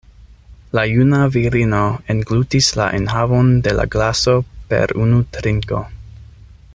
La juna virino englutis la enhavon de la glaso per unu trinko.